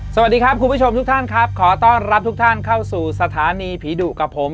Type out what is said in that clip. สวัสดีครับคุณผู้ชมทุกท่านครับขอต้อนรับทุกท่านเข้าสู่สถานีผีดุกับผม